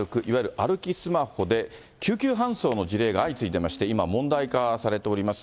歩きスマホで、救急搬送の事例が相次いでまして、今、問題化されております。